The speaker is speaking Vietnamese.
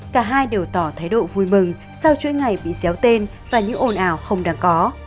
cả hai đều tỏ thái độ vui mừng sau chuỗi ngày bị xéo tên và những ồn ào không đáng có